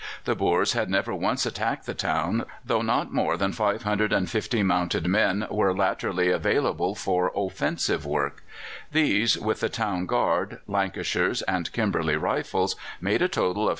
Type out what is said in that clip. The Boers had never once attacked the town, though not more than 550 mounted men were latterly available for offensive work; these, with the Town Guard, Lancashires, and Kimberley Rifles, made a total of 3,764.